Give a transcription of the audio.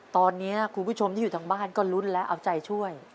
ตอนนี้คุณผู้ชมที่อยู่ทางบ้านก็ลุ้นและเอาใจช่วย